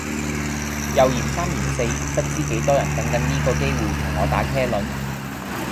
又嫌三嫌四不知幾多人等緊呢個機會同我打茄輪